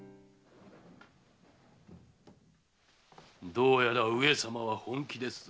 どうやら上様は本気ですぞ。